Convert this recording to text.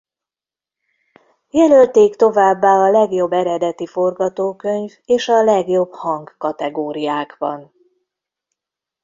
Jelölték továbbá a Legjobb eredeti forgatókönyv és a Legjobb hang kategóriákban.